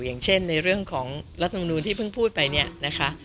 อย่างเช่นในเรื่องของรัฐมนูลที่เพิ่งพูดไปเนี่ยนะคะ